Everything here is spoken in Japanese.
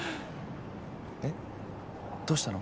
えっどうしたの？